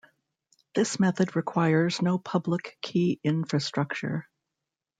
This method requires no public key infrastructure.